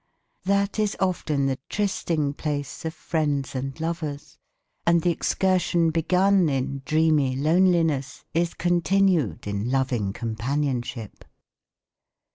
That is often the trysting place of friends and lovers, and the excursion begun in dreamy loneliness is continued in loving companionship.